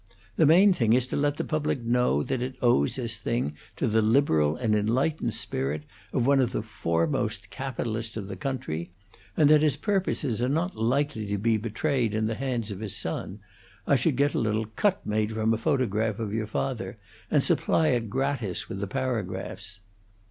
The main thing is to let the public know that it owes this thing to the liberal and enlightened spirit of one of the foremost capitalists of the country; and that his purposes are not likely to be betrayed in the hands of his son, I should get a little cut made from a photograph of your father, and supply it gratis with the paragraphs."